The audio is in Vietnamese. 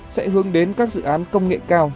sẽ hướng đến các dự án công nghệ cao